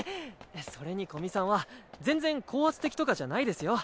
それに古見さんは全然高圧的とかじゃないですよ。